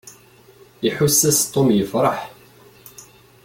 Iḥuss-as Tom yefṛeḥ.